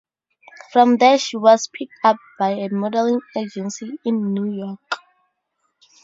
From there she was picked up by a modeling agency in New York.